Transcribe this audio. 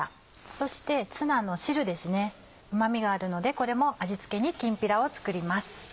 そしてツナの汁ですねうま味があるのでこれも味付けにきんぴらを作ります。